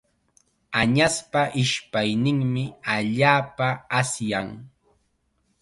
Añaspa ishpayninmi allaapa asyan.